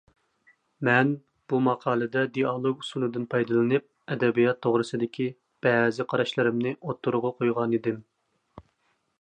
مەن بۇ ماقالىدە دىئالوگ ئۇسۇلىدىن پايدىلىنىپ ئەدەبىيات توغرىسىدىكى بەزى قاراشلىرىمنى ئوتتۇرىغا قويغانىدىم.